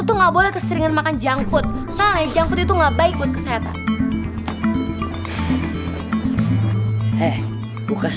itu nggak boleh keseringan makan jangkut salai jangkut itu nggak baik untuk kesehatan eh bukas